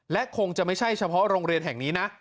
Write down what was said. และคงจะไม่ใช่เฉพาะโรงเรียนแห่งนี้นะ